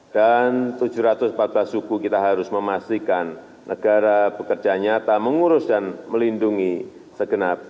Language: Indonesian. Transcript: dan tujuh ratus empat belas suku kita harus memastikan negara bekerja nyata mengurus dan melindungi segenap